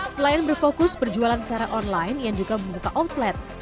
selain berfokus perjualan secara online yang juga membuka outlet